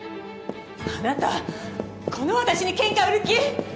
あなたこの私にケンカ売る気！？